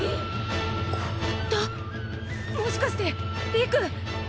もしかして理玖！？